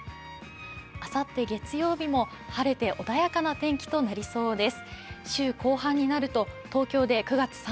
あさって月曜日も晴れて、穏やかな天気となりそうです。